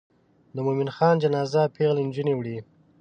د مومن خان جنازه پیغلې نجونې وړي.